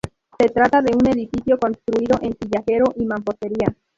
Se trata de un edificio construido en sillarejo y mampostería.